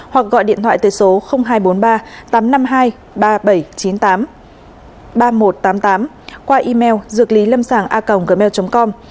hoặc gọi điện thoại tới số hai trăm bốn mươi ba tám trăm năm mươi hai ba nghìn bảy trăm chín mươi tám ba nghìn một trăm tám mươi tám qua email dượclýlâmsangacom com